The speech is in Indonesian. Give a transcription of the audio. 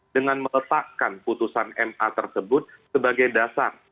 dengan meletakkan putusan ma tersebut sebagai dasar